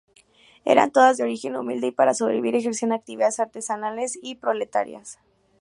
Eran todos de origen humilde y, para sobrevivir, ejercían actividades artesanales y proletarias.